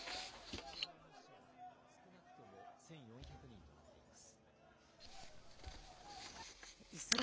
一方、イスラエル側の死者は、少なくとも１４００人となっています。